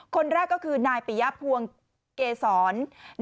คนแรกก็คือนายปิยภวงเกษร